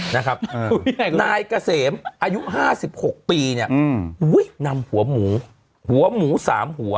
นายเกษมอายุห้าสิบหกปีเนี่ยนำหัวหมูหัวหมูสามหัว